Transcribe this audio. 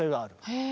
へえ。